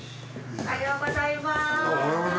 おはようございます。